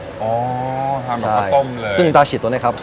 อ๋อทำเหมือนข้าวต้มเลยซึ่งดาชิตัวเนี้ยครับ